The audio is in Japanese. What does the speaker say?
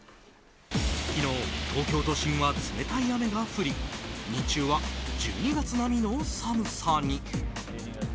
昨日、東京都は冷たい雨が降り日中は１２月並みの寒さに。